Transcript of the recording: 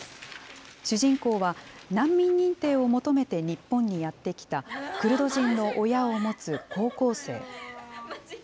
主人公は、難民認定を求めて日本にやって来た、クルド人の親を持つ高校生。